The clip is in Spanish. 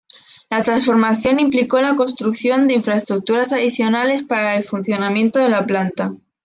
La transformación implicó la construcción de infraestructura adicional para el funcionamiento de la planta.